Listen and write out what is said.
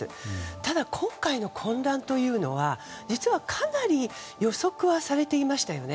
ただ、今回の混乱というのは実は、かなり予測はされていましたよね。